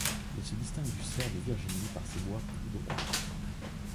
Il se distingue du cerf de Virginie par ses bois plus droits.